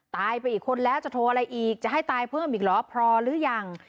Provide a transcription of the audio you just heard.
ตายไปอีกคนแล้วจะโทรอะไรอีกจะให้ตายเพิ่มอีกเหรอพอหรือยัง